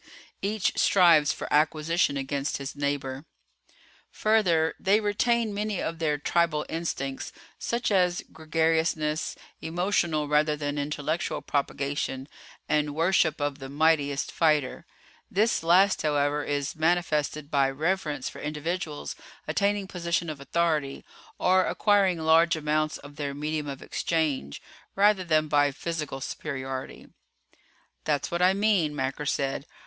Each strives for acquisition against his neighbor. "Further they retain many of their tribal instincts, such as gregariousness, emotional rather than intellectual propagation, and worship of the mightiest fighter. This last, however, is manifested by reverence for individuals attaining position of authority, or acquiring large amounts of their medium of exchange, rather than by physical superiority." "That's what I mean," Macker said.